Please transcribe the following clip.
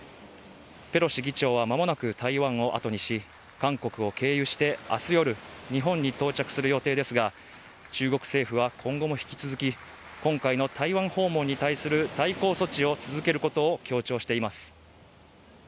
ペロシ議長は間もなく台湾を後にし、韓国を経由して明日夜、日本に到着する予定ですが中国政府は今後も引き続き、今回の台湾訪問に対する外交措置を続けることを強調しています。